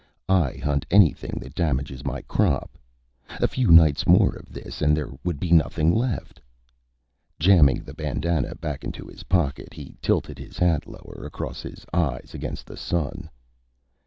"I hunt anything that damages my crop. A few nights more of this and there would be nothing left." Jamming the bandanna back into his pocket, he tilted his hat lower across his eyes against the sun.